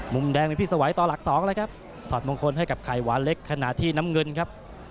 มุมแดงมีพี่สวัยต่อหลักสองแล้วครับถอดมงคลให้กับไข่หวานเล็กขณะที่น้ำเงินครับ